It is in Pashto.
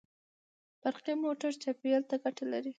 برقي موټر چاپېریال ته ګټه لري.